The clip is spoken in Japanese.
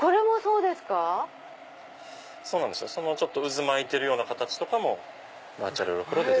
渦巻いてるような形とかもバーチャルろくろで。